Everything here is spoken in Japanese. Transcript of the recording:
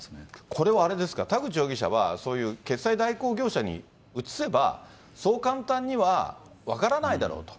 これは、あれですか、田口容疑者は、そういう決済代行業者に移せば、そう簡単には分からないだろうと。